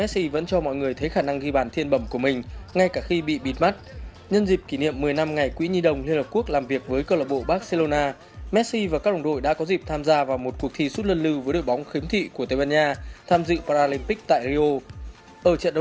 xin chào và hẹn gặp lại các bạn trong những video tiếp theo